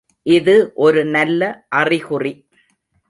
இது ஒரு நல்ல அறிகுறி!